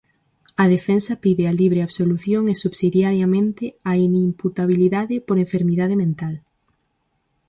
A defensa pide a libre absolución e subsidiariamente, a inimputabilidade por enfermidade mental.